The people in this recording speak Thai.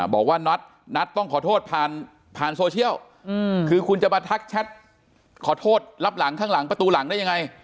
บอกว่านัทต้องขอโทษผ่านผ่านโซเชียลคือคุณจะมาทักแชทขอโทษรับหลังข้างหลังประตูหลังได้ยังไง